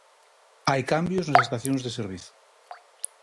Hai cambios nas estacións de servizo.